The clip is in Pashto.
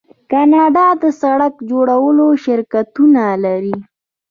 کاناډا د سړک جوړولو شرکتونه لري.